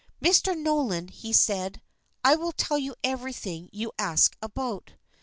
"Mr. Nolan," he said, "I will tell you everything you ask about."